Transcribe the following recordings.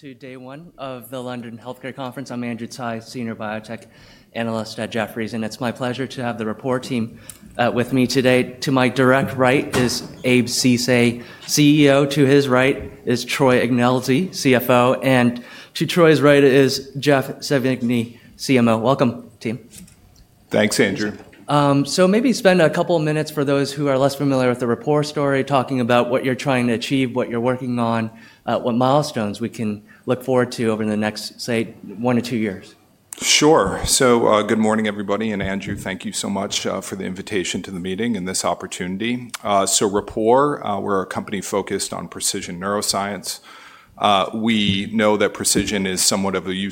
To day one of the London Healthcare conference. I'm Andrew Tsai, Senior Biotech Analyst at Jefferies, and it's my pleasure to have the Rapport team with me today. To my direct right is Abe Ceesay, CEO. To his right is Troy Ignelzi, CFO, and to Troy's right is Jeff Sevigny, CMO. Welcome, team. Thanks, Andrew. Maybe spend a couple of minutes for those who are less familiar with the Rapport story talking about what you're trying to achieve, what you're working on, what milestones we can look forward to over the next, say, one or two years. Sure. Good morning, everybody, and Andrew, thank you so much for the invitation to the meeting and this opportunity. Rapport, we're a company focused on precision neuroscience. We know that precision is somewhat of a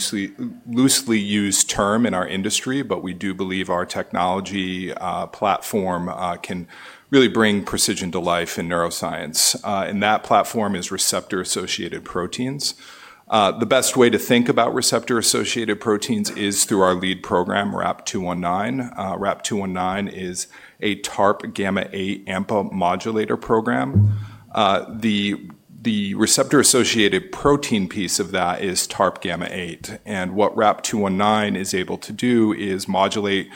loosely used term in our industry, but we do believe our technology platform can really bring precision to life in neuroscience. That platform is receptor-associated proteins. The best way to think about receptor-associated proteins is through our lead program, RAP-219. RAP-219 is a TARPγ8 AMPA modulator program. The receptor-associated protein piece of that is TARPγ8. What RAP-219 is able to do is modulate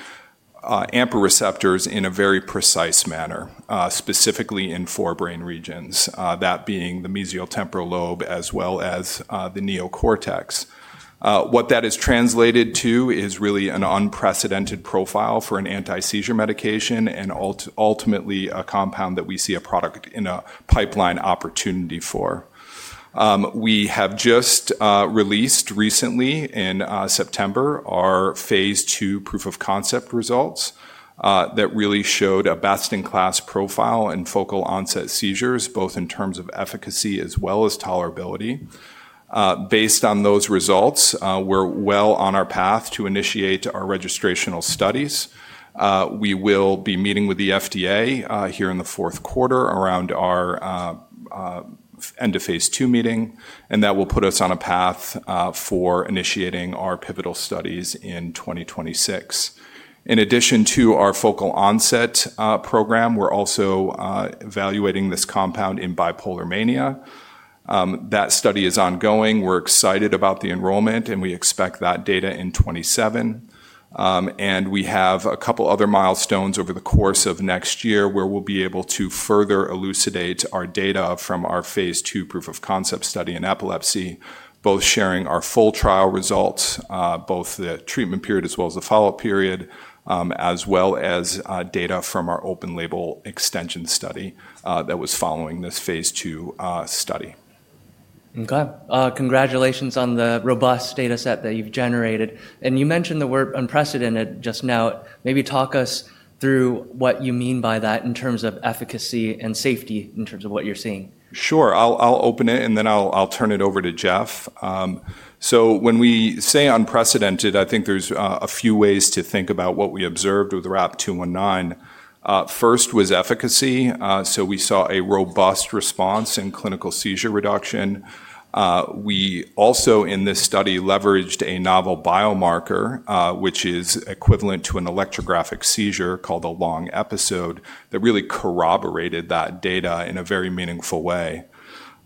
AMPA receptors in a very precise manner, specifically in four brain regions, that being the mesial temporal lobe as well as the neocortex. What that is translated to is really an unprecedented profile for an anti-seizure medication and ultimately a compound that we see a product in a pipeline opportunity for. We have just released recently in September our phase II proof of concept results that really showed a best-in-class profile in focal onset seizures, both in terms of efficacy as well as tolerability. Based on those results, we're well on our path to initiate our registrational studies. We will be meeting with the FDA here in the fourth quarter around our end of phase II meeting, and that will put us on a path for initiating our pivotal studies in 2026. In addition to our focal onset program, we're also evaluating this compound in bipolar mania. That study is ongoing. We're excited about the enrollment, and we expect that data in 2027. We have a couple of other milestones over the course of next year where we'll be able to further elucidate our data from our phase II proof of concept study in epilepsy, both sharing our full trial results, both the treatment period as well as the follow-up period, as well as data from our open label extension study that was following this phase II study. Okay. Congratulations on the robust dataset that you've generated. You mentioned the word unprecedented just now. Maybe talk us through what you mean by that in terms of efficacy and safety in terms of what you're seeing. Sure. I'll open it, and then I'll turn it over to Jeff. When we say unprecedented, I think there's a few ways to think about what we observed with RAP-219. First was efficacy. We saw a robust response in clinical seizure reduction. We also in this study leveraged a novel biomarker, which is equivalent to an electrographic seizure called a long episode, that really corroborated that data in a very meaningful way.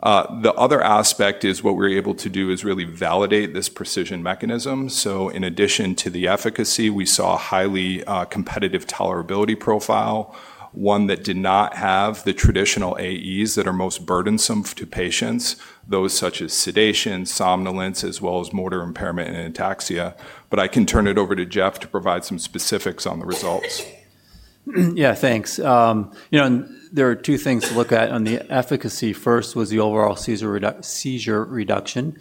The other aspect is what we're able to do is really validate this precision mechanism. In addition to the efficacy, we saw a highly competitive tolerability profile, one that did not have the traditional AEs that are most burdensome to patients, those such as sedation, somnolence, as well as motor impairment and ataxia. I can turn it over to Jeff to provide some specifics on the results. Yeah, thanks. You know, there are two things to look at. On the efficacy, first was the overall seizure reduction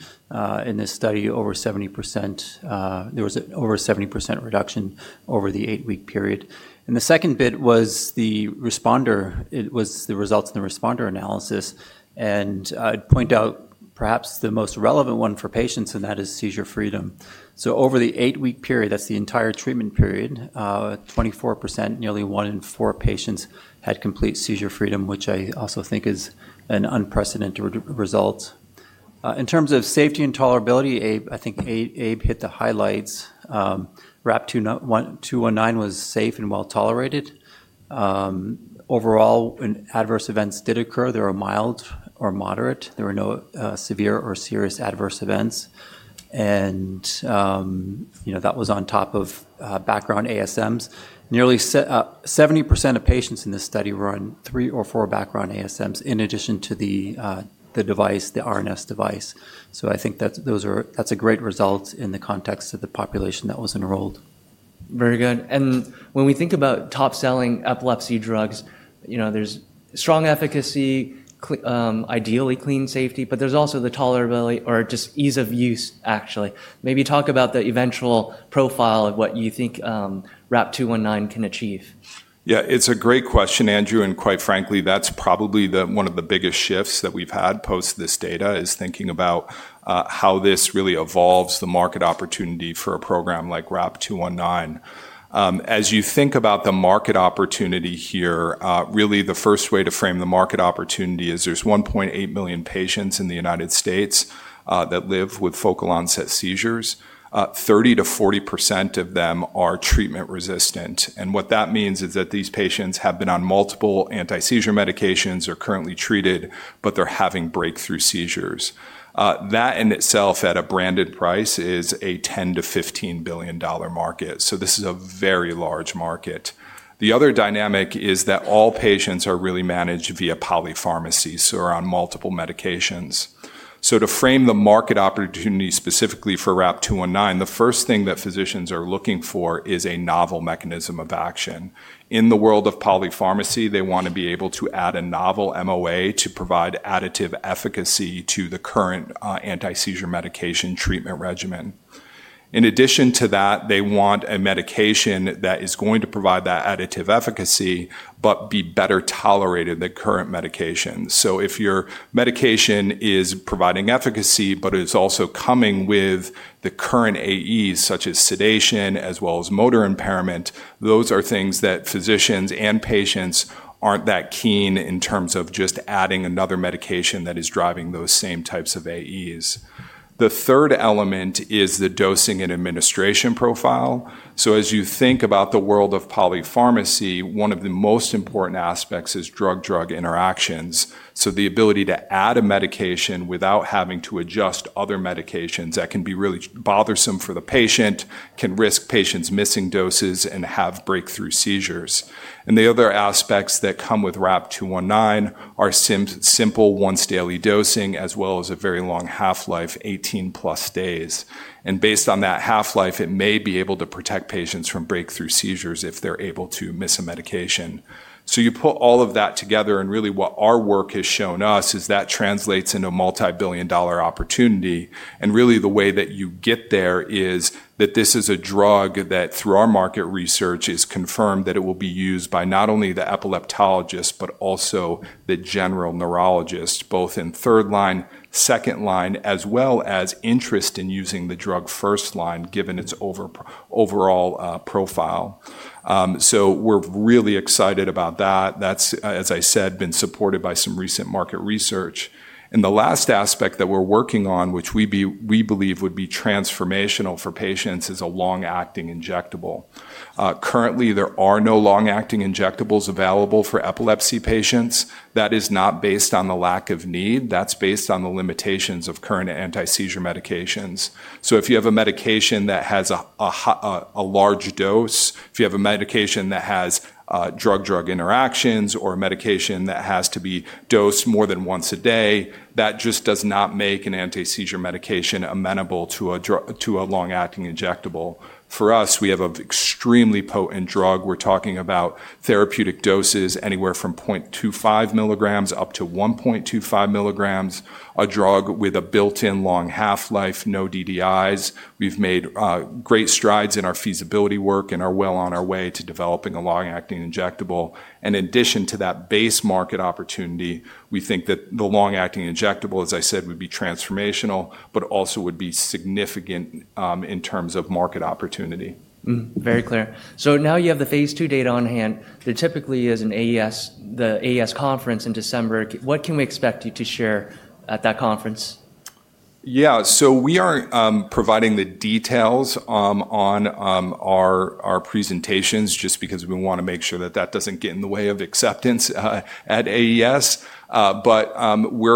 in this study, over 70%. There was over a 70% reduction over the eight-week period. The second bit was the responder, it was the results in the responder analysis. I'd point out perhaps the most relevant one for patients, and that is seizure freedom. Over the eight-week period, that's the entire treatment period, 24%, nearly one in four patients had complete seizure freedom, which I also think is an unprecedented result. In terms of safety and tolerability, I think Abe hit the highlights. RAP-219 was safe and well tolerated. Overall, adverse events did occur. They were mild or moderate. There were no severe or serious adverse events. That was on top of background ASMs. Nearly 70% of patients in this study were on three or four background ASMs in addition to the device, the RNS device. I think that's a great result in the context of the population that was enrolled. Very good. When we think about top-selling epilepsy drugs, there's strong efficacy, ideally clean safety, but there's also the tolerability or just ease of use, actually. Maybe talk about the eventual profile of what you think RAP-219 can achieve. Yeah, it's a great question, Andrew. Quite frankly, that's probably one of the biggest shifts that we've had post this data is thinking about how this really evolves the market opportunity for a program like RAP-219. As you think about the market opportunity here, really the first way to frame the market opportunity is there's 1.8 million patients in the United States that live with focal onset seizures. 30%-40% of them are treatment resistant. What that means is that these patients have been on multiple anti-seizure medications or currently treated, but they're having breakthrough seizures. That in itself at a branded price is a $10 billion-$15 billion market. This is a very large market. The other dynamic is that all patients are really managed via polypharmacy, so are on multiple medications. To frame the market opportunity specifically for RAP-219, the first thing that physicians are looking for is a novel mechanism of action. In the world of polypharmacy, they want to be able to add a novel MOA to provide additive efficacy to the current anti-seizure medication treatment regimen. In addition to that, they want a medication that is going to provide that additive efficacy, but be better tolerated than current medication. If your medication is providing efficacy, but it is also coming with the current AEs such as sedation as well as motor impairment, those are things that physicians and patients are not that keen in terms of just adding another medication that is driving those same types of AEs. The third element is the dosing and administration profile. As you think about the world of polypharmacy, one of the most important aspects is drug-drug interactions. The ability to add a medication without having to adjust other medications that can be really bothersome for the patient can risk patients missing doses and have breakthrough seizures. The other aspects that come with RAP-219 are simple once-daily dosing as well as a very long half-life, 18+ days. Based on that half-life, it may be able to protect patients from breakthrough seizures if they're able to miss a medication. You put all of that together, and really what our work has shown us is that translates into a multi-billion dollar opportunity. Really the way that you get there is that this is a drug that through our market research is confirmed that it will be used by not only the epileptologists, but also the general neurologists, both in third line, second line, as well as interest in using the drug first line given its overall profile. We are really excited about that. That, as I said, has been supported by some recent market research. The last aspect that we are working on, which we believe would be transformational for patients, is a long-acting injectable. Currently, there are no long-acting injectables available for epilepsy patients. That is not based on the lack of need. That is based on the limitations of current anti-seizure medications. If you have a medication that has a large dose, if you have a medication that has drug-drug interactions or a medication that has to be dosed more than once a day, that just does not make an anti-seizure medication amenable to a long-acting injectable. For us, we have an extremely potent drug. We're talking about therapeutic doses anywhere from 0.25 mg up to 1.25 mg, a drug with a built-in long half-life, no DDIs. We've made great strides in our feasibility work and are well on our way to developing a long-acting injectable. In addition to that base market opportunity, we think that the long-acting injectable, as I said, would be transformational, but also would be significant in terms of market opportunity. Very clear. Now you have the phase II data on hand. There typically is an AES, the AES conference in December. What can we expect you to share at that conference? Yeah, so we aren't providing the details on our presentations just because we want to make sure that that doesn't get in the way of acceptance at AES. We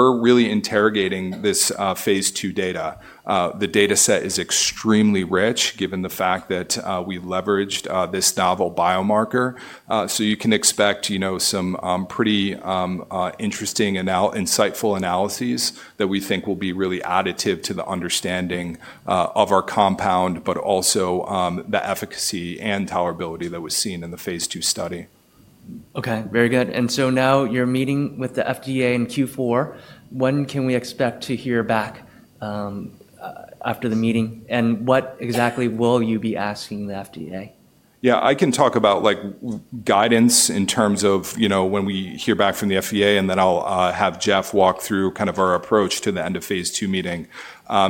are really interrogating this phase II data. The dataset is extremely rich given the fact that we leveraged this novel biomarker. You can expect some pretty interesting and insightful analyses that we think will be really additive to the understanding of our compound, but also the efficacy and tolerability that was seen in the phase II study. Okay, very good. Now you're meeting with the FDA in Q4. When can we expect to hear back after the meeting? What exactly will you be asking the FDA? Yeah, I can talk about guidance in terms of when we hear back from the FDA, and then I'll have Jeff walk through kind of our approach to the end of phase II meeting.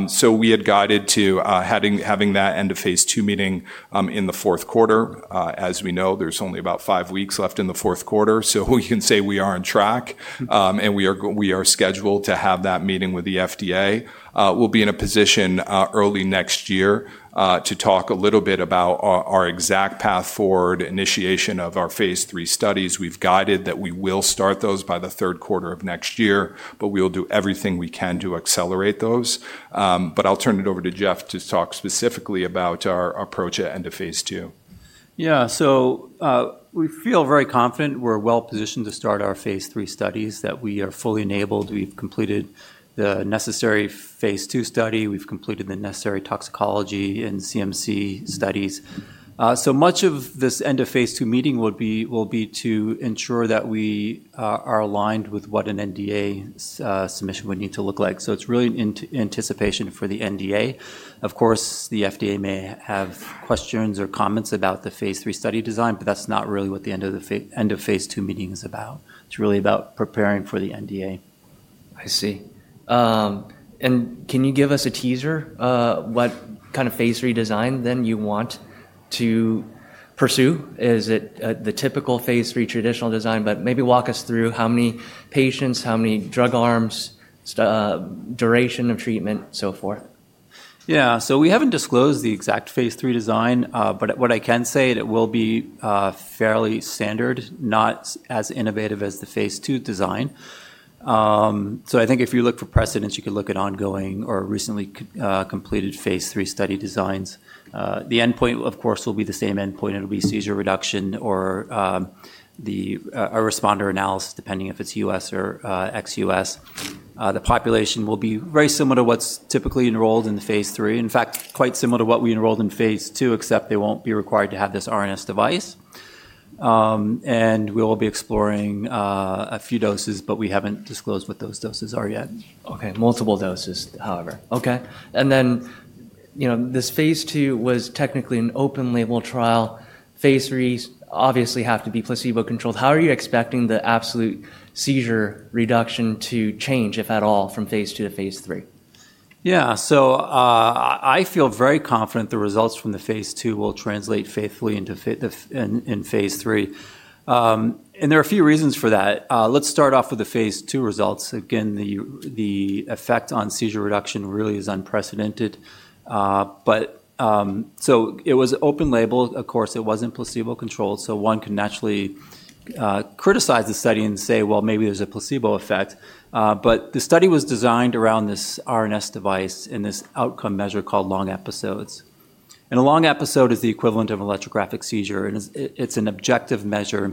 So we had guided to having that end of phase II meeting in the fourth quarter. As we know, there's only about five weeks left in the fourth quarter. So we can say we are on track and we are scheduled to have that meeting with the FDA. We'll be in a position early next year to talk a little bit about our exact path forward initiation of our phase III studies. We've guided that we will start those by the third quarter of next year, but we'll do everything we can to accelerate those. I'll turn it over to Jeff to talk specifically about our approach at end of phase II. Yeah, so we feel very confident we're well positioned to start our phase III studies, that we are fully enabled. We've completed the necessary phase II study. We've completed the necessary toxicology and CMC studies. Much of this end of phase II meeting will be to ensure that we are aligned with what an NDA submission would need to look like. It's really in anticipation for the NDA. Of course, the FDA may have questions or comments about the phase III study design, but that's not really what the end of phase II meeting is about. It's really about preparing for the NDA. I see. Can you give us a teaser what kind of phase III design then you want to pursue? Is it the typical phase III traditional design? Maybe walk us through how many patients, how many drug arms, duration of treatment, so forth. Yeah, so we haven't disclosed the exact phase III design, but what I can say, it will be fairly standard, not as innovative as the phase II design. I think if you look for precedents, you could look at ongoing or recently completed phase III study designs. The endpoint, of course, will be the same endpoint. It'll be seizure reduction or a responder analysis, depending if it's U.S. or ex-U.S. The population will be very similar to what's typically enrolled in the phase III. In fact, quite similar to what we enrolled in phase II, except they won't be required to have this RNS device. We'll be exploring a few doses, but we haven't disclosed what those doses are yet. Okay, multiple doses, however. Okay. And then this phase II was technically an open label trial. Phase III obviously has to be placebo-controlled. How are you expecting the absolute seizure reduction to change, if at all, from phase II to phase III? Yeah, so I feel very confident the results from the phase II will translate faithfully into phase III. There are a few reasons for that. Let's start off with the phase II results. Again, the effect on seizure reduction really is unprecedented. It was open label. Of course, it wasn't placebo-controlled, so one can naturally criticize the study and say, maybe there's a placebo effect. The study was designed around this RNS device and this outcome measure called long episodes. A long episode is the equivalent of electrographic seizure. It's an objective measure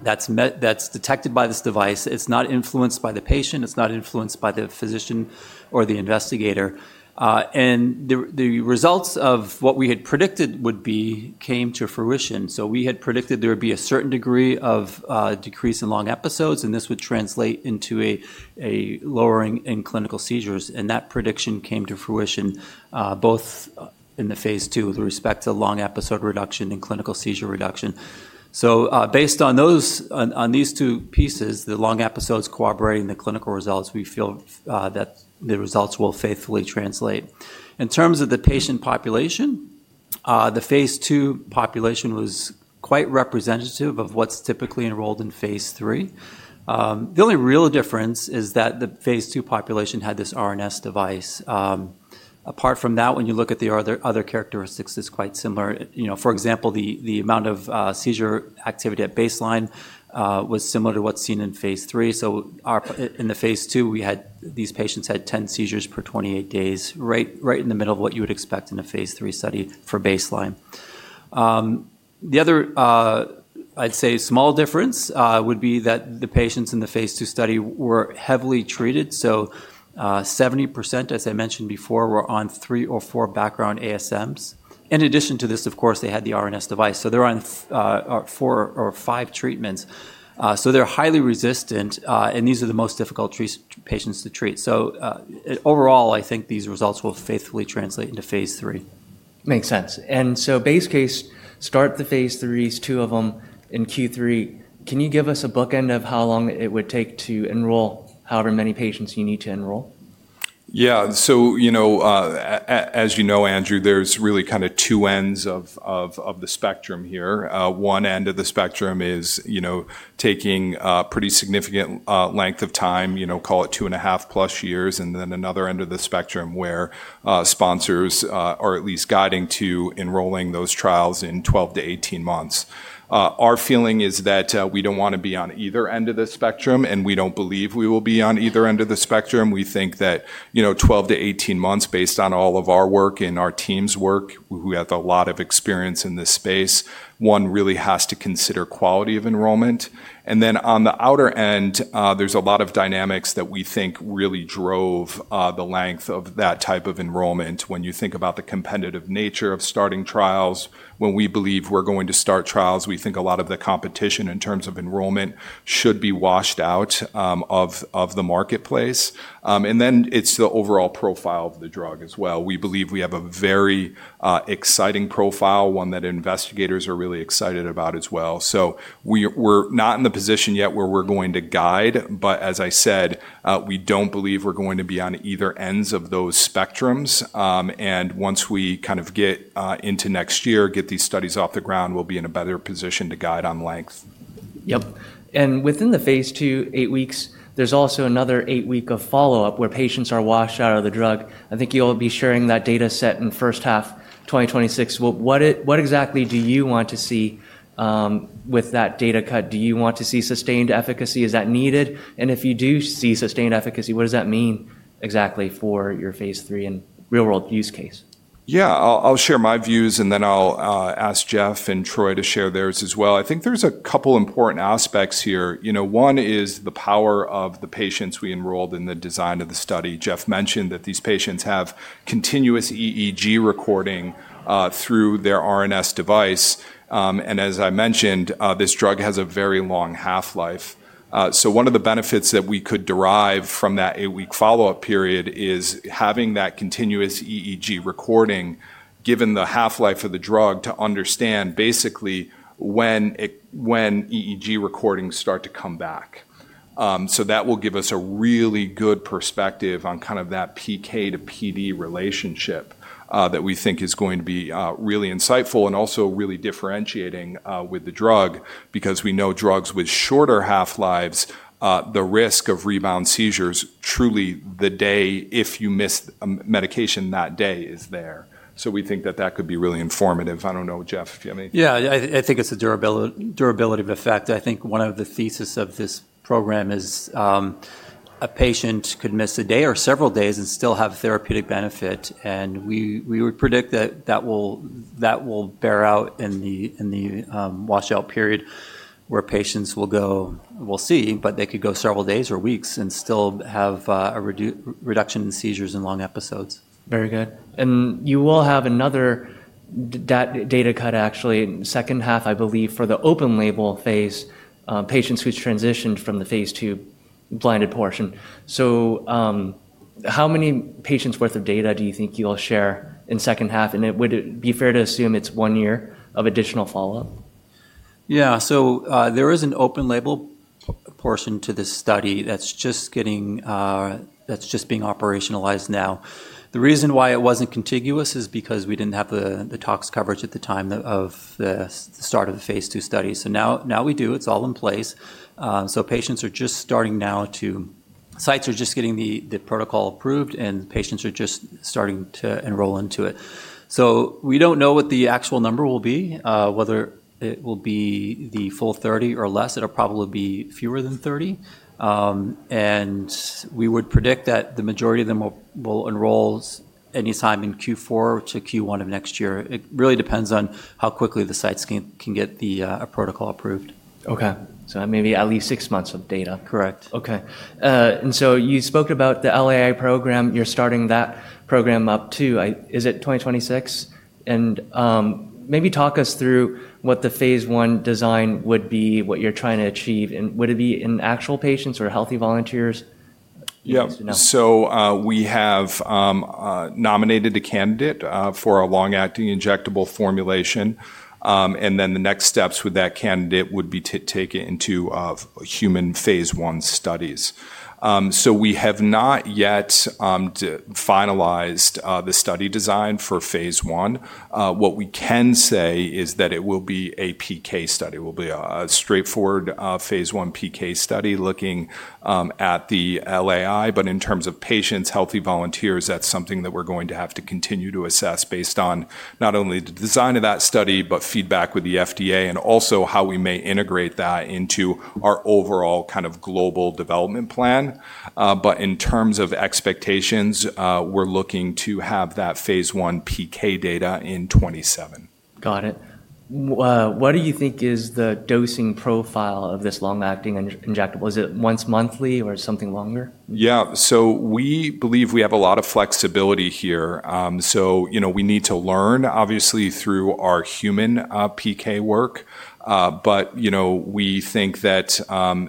that's detected by this device. It's not influenced by the patient. It's not influenced by the physician or the investigator. The results of what we had predicted would be came to fruition. We had predicted there would be a certain degree of decrease in long episodes, and this would translate into a lowering in clinical seizures. That prediction came to fruition both in the phase II with respect to long episode reduction and clinical seizure reduction. Based on these two pieces, the long episodes corroborating the clinical results, we feel that the results will faithfully translate. In terms of the patient population, the phase II population was quite representative of what's typically enrolled in phase III. The only real difference is that the phase II population had this RNS device. Apart from that, when you look at the other characteristics, it's quite similar. For example, the amount of seizure activity at baseline was similar to what's seen in phase III. In the phase II, we had these patients had 10 seizures per 28 days, right in the middle of what you would expect in a phase III study for baseline. The other, I'd say, small difference would be that the patients in the phase II study were heavily treated. 70%, as I mentioned before, were on three or four background ASMs. In addition to this, of course, they had the RNS device. They're on four or five treatments. They're highly resistant, and these are the most difficult patients to treat. Overall, I think these results will faithfully translate into phase III. Makes sense. Base case, start the phase III, two of them in Q3. Can you give us a bookend of how long it would take to enroll however many patients you need to enroll? Yeah, so as you know, Andrew, there's really kind of two ends of the spectrum here. One end of the spectrum is taking a pretty significant length of time, call it 2.5+ years, and then another end of the spectrum where sponsors are at least guiding to enrolling those trials in 12-18 months. Our feeling is that we don't want to be on either end of the spectrum, and we don't believe we will be on either end of the spectrum. We think that 12-18 months, based on all of our work and our team's work, who have a lot of experience in this space, one really has to consider quality of enrollment. And then on the outer end, there's a lot of dynamics that we think really drove the length of that type of enrollment. When you think about the competitive nature of starting trials, when we believe we're going to start trials, we think a lot of the competition in terms of enrollment should be washed out of the marketplace. It is the overall profile of the drug as well. We believe we have a very exciting profile, one that investigators are really excited about as well. We're not in the position yet where we're going to guide, but as I said, we don't believe we're going to be on either ends of those spectrums. Once we kind of get into next year, get these studies off the ground, we'll be in a better position to guide on length. Yep. Within the phase II, eight weeks, there's also another eight week of follow-up where patients are washed out of the drug. I think you'll be sharing that dataset in first half 2026. What exactly do you want to see with that data cut? Do you want to see sustained efficacy? Is that needed? If you do see sustained efficacy, what does that mean exactly for your phase III and real-world use case? Yeah, I'll share my views, and then I'll ask Jeff and Troy to share theirs as well. I think there's a couple of important aspects here. One is the power of the patients we enrolled in the design of the study. Jeff mentioned that these patients have continuous EEG recording through their RNS device. As I mentioned, this drug has a very long half-life. One of the benefits that we could derive from that eight-week follow-up period is having that continuous EEG recording, given the half-life of the drug, to understand basically when EEG recordings start to come back. That will give us a really good perspective on kind of that PK to PD relationship that we think is going to be really insightful and also really differentiating with the drug because we know drugs with shorter half-lives, the risk of rebound seizures, truly the day, if you miss a medication that day is there. We think that that could be really informative. I do not know, Jeff, if you have anything. Yeah, I think it's a durability of effect. I think one of the theses of this program is a patient could miss a day or several days and still have therapeutic benefit. I think we would predict that that will bear out in the washout period where patients will go, we'll see, but they could go several days or weeks and still have a reduction in seizures and long episodes. Very good. You will have another data cut, actually, second half, I believe, for the open label phase, patients who've transitioned from the phase II blinded portion. How many patients' worth of data do you think you'll share in second half? Would it be fair to assume it's one year of additional follow-up? Yeah, so there is an open label portion to this study that's just being operationalized now. The reason why it wasn't contiguous is because we didn't have the tox coverage at the time of the start of the phase II study. Now we do. It's all in place. Patients are just starting now, sites are just getting the protocol approved, and patients are just starting to enroll into it. We don't know what the actual number will be, whether it will be the full 30 or less. It'll probably be fewer than 30. We would predict that the majority of them will enroll anytime in Q4 to Q1 of next year. It really depends on how quickly the sites can get the protocol approved. Okay, so maybe at least six months of data. Correct. Okay. You spoke about the LAI program. You're starting that program up too. Is it 2026? Maybe talk us through what the phase I design would be, what you're trying to achieve. Would it be in actual patients or healthy volunteers? Yeah, so we have nominated a candidate for a long-acting injectable formulation. The next steps with that candidate would be to take it into human phase I studies. We have not yet finalized the study design for phase I. What we can say is that it will be a PK study. It will be a straightforward phase I PK study looking at the LAI, but in terms of patients, healthy volunteers, that's something that we're going to have to continue to assess based on not only the design of that study, but feedback with the FDA and also how we may integrate that into our overall kind of global development plan. In terms of expectations, we're looking to have that phase I PK data in 2027. Got it. What do you think is the dosing profile of this long-acting injectable? Is it once monthly or something longer? Yeah, we believe we have a lot of flexibility here. We need to learn, obviously, through our human PK work. We think that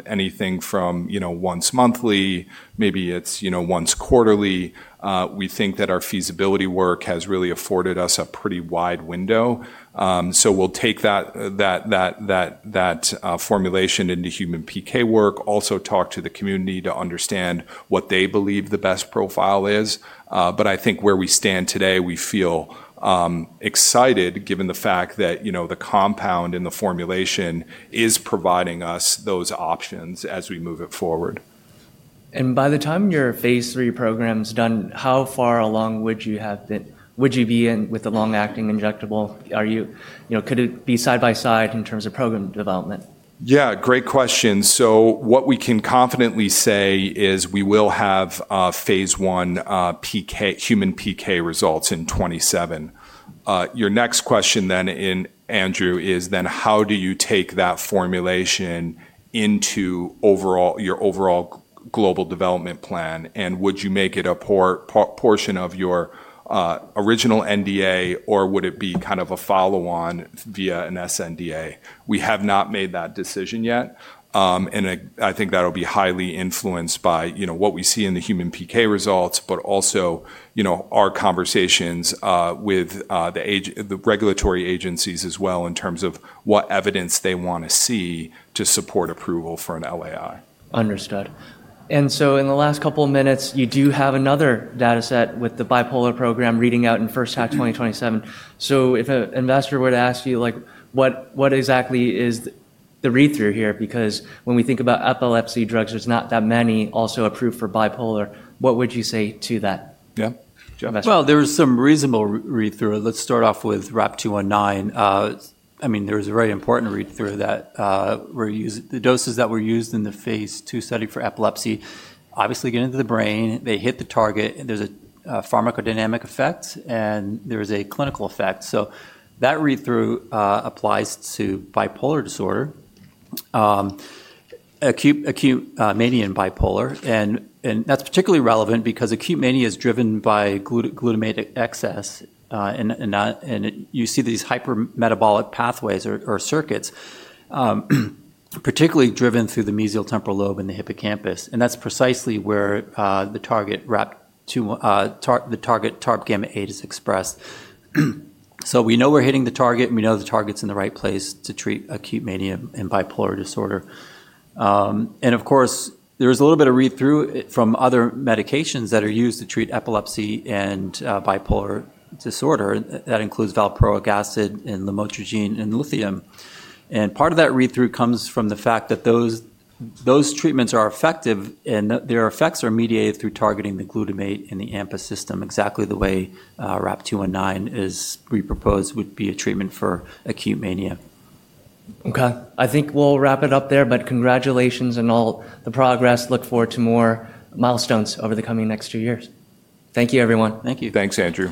anything from once monthly, maybe it's once quarterly, we think that our feasibility work has really afforded us a pretty wide window. We will take that formulation into human PK work, also talk to the community to understand what they believe the best profile is. I think where we stand today, we feel excited given the fact that the compound in the formulation is providing us those options as we move it forward. By the time your phase III program's done, how far along would you be with the long-acting injectable? Could it be side by side in terms of program development? Yeah, great question. What we can confidently say is we will have phase I human PK results in 2027. Your next question then, Andrew, is how do you take that formulation into your overall global development plan? Would you make it a portion of your original NDA, or would it be kind of a follow-on via an SNDA? We have not made that decision yet. I think that will be highly influenced by what we see in the human PK results, but also our conversations with the regulatory agencies as well in terms of what evidence they want to see to support approval for an LAI. Understood. In the last couple of minutes, you do have another dataset with the bipolar program reading out in the first half of 2027. If an investor were to ask you, what exactly is the read-through here? Because when we think about epilepsy drugs, there are not that many also approved for bipolar. What would you say to that? Yeah, there was some reasonable read-through. Let's start off with RAP-219. I mean, there was a very important read-through that the doses that were used in the phase II study for epilepsy obviously get into the brain, they hit the target, there's a pharmacodynamic effect, and there's a clinical effect. That read-through applies to bipolar disorder, acute mania and bipolar. That's particularly relevant because acute mania is driven by glutamate excess. You see these hypermetabolic pathways or circuits, particularly driven through the mesial temporal lobe and the hippocampus. That's precisely where the target TARPγ8 is expressed. We know we're hitting the target, and we know the target's in the right place to treat acute mania and bipolar disorder. Of course, there's a little bit of read-through from other medications that are used to treat epilepsy and bipolar disorder. That includes valproic acid and lamotrigine and lithium. Part of that read-through comes from the fact that those treatments are effective and their effects are mediated through targeting the glutamate in the AMPA system, exactly the way RAP-219 is re-proposed would be a treatment for acute mania. Okay, I think we'll wrap it up there, but congratulations on all the progress. Look forward to more milestones over the coming next two years. Thank you, everyone. Thank you. Thanks, Andrew.